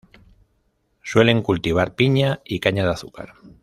Suelen cultivar piña y caña de azúcar.